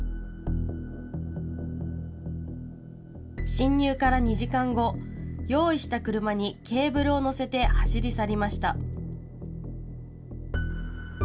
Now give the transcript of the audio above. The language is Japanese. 侵入から２時間後、用意した車にケーブルを載せて走り去りました。